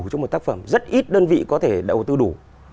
cho một tác phẩm rất ít đơn vị có thể đầu tư đủ